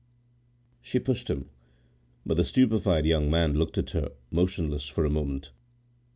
She pushed him; but the stupefied young man looked at her, motionless, for a moment.